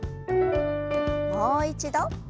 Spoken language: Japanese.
もう一度。